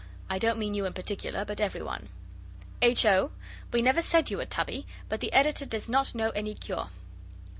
I don't mean you in particular, but every one. H. O. We never said you were tubby, but the Editor does not know any cure.